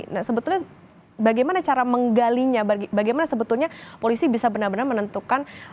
nah sebetulnya bagaimana cara menggalinya bagaimana sebetulnya polisi bisa benar benar menentukan